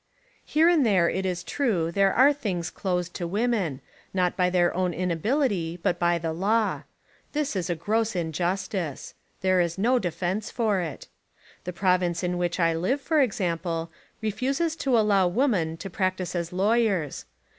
Here and there it Is true there are things closed to women, not by their own Inability but by the law. This Is a gross injustice. There Is no defence for it. The province in which I live, for example, refuses to allow women to 152 The Wo7nan Question practise as lawyers.